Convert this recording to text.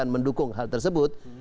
mendukung hal tersebut